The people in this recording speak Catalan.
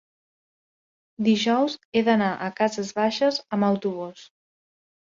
Dijous he d'anar a Cases Baixes amb autobús.